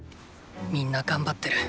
みんな頑張ってる。